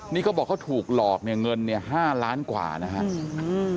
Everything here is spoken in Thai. นี่เขาบอกเขาถูกหลอกเงิน๕ล้านกว่านะครับ